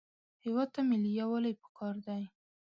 هېواد ته ملي یووالی پکار دی